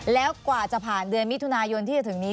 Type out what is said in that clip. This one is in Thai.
แล้วกว่าจะผ่านเดือนมิถุนายนที่จะถึงนี้